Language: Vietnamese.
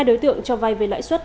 hai đối tượng cho vai về lãi suất